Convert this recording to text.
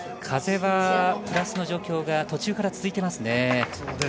風はプラスの状況が途中から続いていますね。